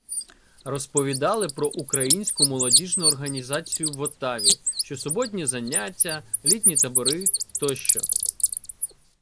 Розповідали про українську молодіжну організацію в Оттаві — щосуботні заняття, літні табори тощо